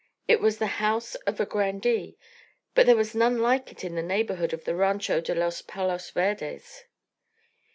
It was the house of a grandee, but there was none like it in the neighbourhood of the Rancho de los Palos Verdes.